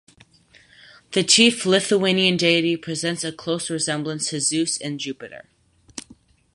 The chief Lithuanian deity presents a close resemblance to Zeus and Jupiter.